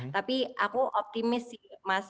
tapi aku optimis sih mas